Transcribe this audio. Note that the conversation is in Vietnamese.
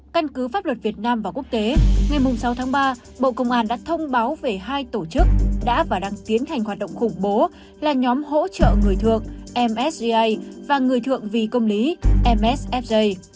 căn cứ pháp luật việt nam và quốc tế ngày sáu tháng ba bộ công an đã thông báo về hai tổ chức đã và đang tiến hành hoạt động khủng bố là nhóm hỗ trợ người thượng msda và người thượng vì công lý msfj